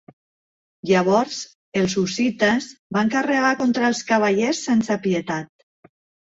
Llavors els Hussites van carregar contra els cavallers sense pietat.